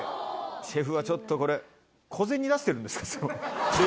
シェフはちょっとこれ小銭出してるんですか？